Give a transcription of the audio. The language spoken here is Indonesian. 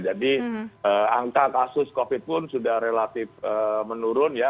jadi angka kasus covid pun sudah relatif menurun ya